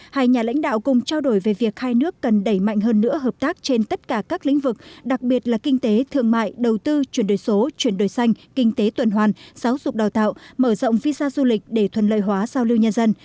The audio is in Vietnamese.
hai nhà lãnh đạo cùng trao đổi về việc hai nước cần đẩy mạnh hơn nữa hợp tác trên tất cả các lĩnh vực đặc biệt là kinh tế thương mại đầu tư chuyển đổi số chuyển đổi xanh kinh tế tuần hoàn giáo dục đào tạo mở rộng visa du lịch để thuận lợi hóa giao lưu nhân dân